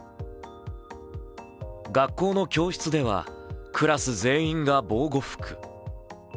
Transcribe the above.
学校の教室ではクラス全員が防護服。